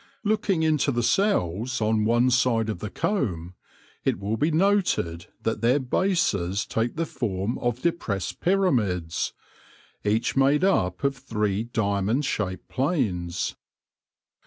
Looking THE COMB BUILDERS 143 into the cells on one side of the comb, it will be noted that their bases take the form of depressed pyramids, each made up of three diamond shaped planes.